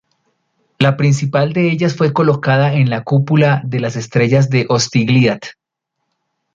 La principal de ellas fue colocada en la Cúpula de las Estrellas de Osgiliath.